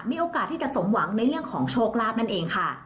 มีโอกาสที่จะสมหวังในเรื่องของโชคลาภนั่นเองค่ะ